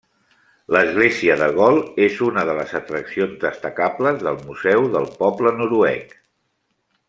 L'església de Gol és una de les atraccions destacables del Museu del Poble Noruec.